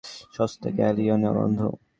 সস্তা গ্যাসোলিনের গন্ধ।